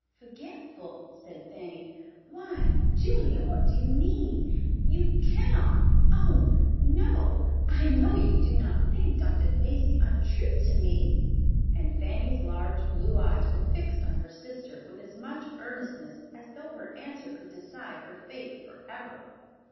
"Forgetful!" said Fanny. "Why, Julia, what do you mean? You cannot—Oh, no, I know you do not think Dr. Lacey untrue to me?" And Fanny's large blue eyes were fixed on her sister with as much earnestness as though her answer could decide her fate forever.